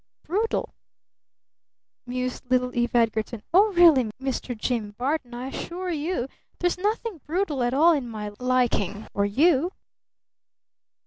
"Brutal?" mused little Eve Edgarton. "Oh, really, Mr. Jim Barton, I assure you," she said, "there's nothing brutal at all in my liking for you."